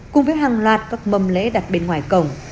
cùng với hàng loạt các mầm lễ đặt bên ngoài cổng